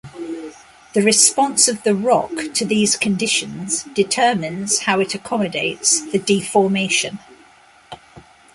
The response of the rock to these conditions determines how it accommodates the deformation.